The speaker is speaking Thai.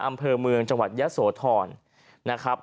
อำเภอเมืองจังหวัดยะโสธรนะครับ